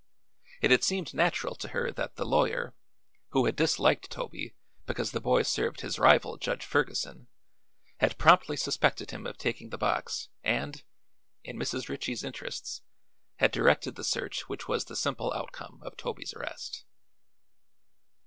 It had seemed natural to her that the lawyer, who had disliked Toby because the boy served his rival, Judge Ferguson, had promptly suspected him of taking the box and, in Mrs. Ritchie's interests, had directed the search which was the simple outcome of Toby's arrest.